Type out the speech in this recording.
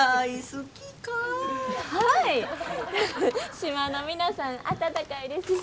島の皆さん温かいですし。